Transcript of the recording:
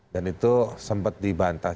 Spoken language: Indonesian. dan itu sempat dibantah